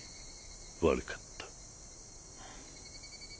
悪かった。